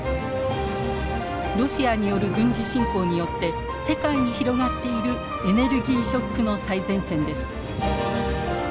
ロシアによる軍事侵攻によって世界に広がっているエネルギーショックの最前線です。